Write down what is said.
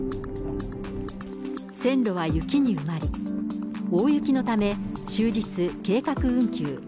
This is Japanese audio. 線路は雪に埋まり、大雪のため、終日、計画運休。